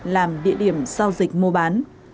làm địa điểm giao dịch mua bán